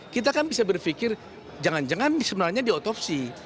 kita kan bisa berpikir jangan jangan sebenarnya diotopsi